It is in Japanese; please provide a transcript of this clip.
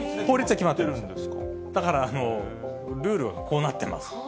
だから、ルールはこうなっています。